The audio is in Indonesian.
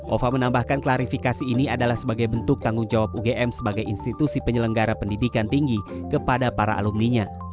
ova menambahkan klarifikasi ini adalah sebagai bentuk tanggung jawab ugm sebagai institusi penyelenggara pendidikan tinggi kepada para alumninya